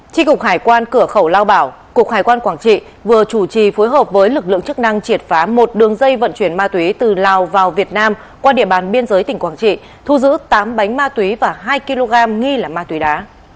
tri cục hải quan cửa khẩu lao bảo cục hải quan quảng trị vừa chủ trì phối hợp với lực lượng chức năng triệt phá một đường dây vận chuyển ma túy từ lào vào việt nam qua địa bàn biên giới tỉnh quảng trị thu giữ tám bánh ma túy và hai kg nghi là ma túy đá